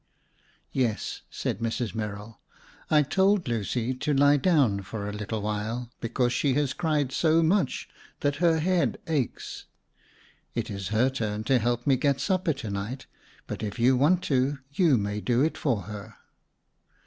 "Yes," said Mrs. Merrill. "I told Lucy to lie down for a little while because she has cried so much that her head aches. It is her turn to help me get supper to night, but if you want to, you may do it for her."